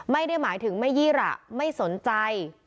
ไม่ได้หมายถึงไม่ยี่ระไม่สนใจ